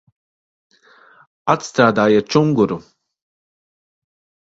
Atstrādājiet čunguru!